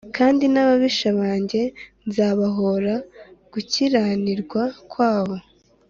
kandi n’ababisha banjye nzabahōra gukiranirwa kwabo